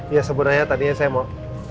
ya sebenarnya tadinya saya mau